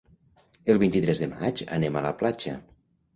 El vint-i-tres de maig anem a la platja.